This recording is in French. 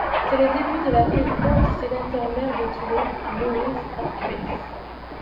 C'est le début de la présidence du sénateur-maire de Toulon Maurice Arreckx.